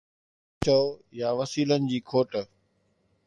ان کي غربت چئو يا وسيلن جي کوٽ.